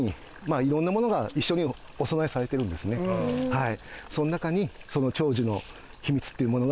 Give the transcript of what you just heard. はい。